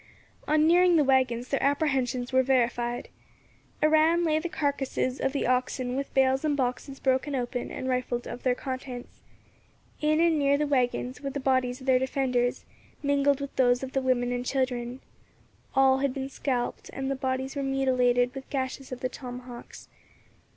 On nearing the waggons their apprehensions were verified. Around lay the carcasses of the oxen with bales and boxes broken open and rifled of their contents. In and near the waggons were the bodies of their defenders, mingled with those of the women and children. All had been scalped, and the bodies were mutilated with gashes of the tomahawks.